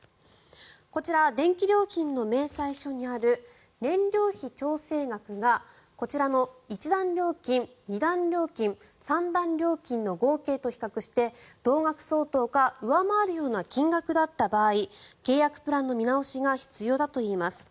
こちら、電気料金の明細書にある燃料費調整額がこちらの１段料金、２段料金３段料金の合計と比較して同額相当か上回るような金額だった場合契約プランの見直しが必要だといいます。